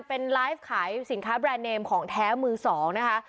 เป็นไลฟ์ขายสินค้าแบรนดเนมของแท้มือสองนะคะ